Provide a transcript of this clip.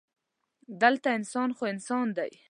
دلته انسان خو انسان دی.